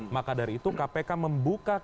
maka dari itu kpk membuka